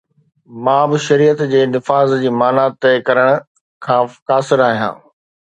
مان به شريعت جي نفاذ جي معنيٰ طئي ڪرڻ کان قاصر آهيان.